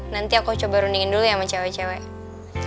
nanti aku coba rundingin dulu ya sama cewek cewek